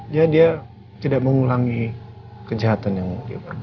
dia dia tidak mengulangi kejahatan yang dia perbuat ya